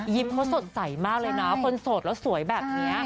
เขาสดใสมากเลยนะคนโสดแล้วสวยแบบนี้